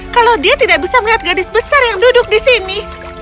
kalau dia tidak bisa melihat gadis besar yang duduk di sini